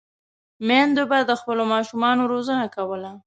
میندو به د خپلو ماشومانو روزنه کوله.